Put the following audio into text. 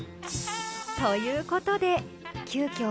ということで急きょ